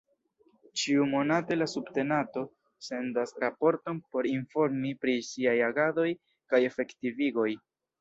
Ĉiumonate la subtenato sendas raporton por informi pri siaj agadoj kaj efektivigoj.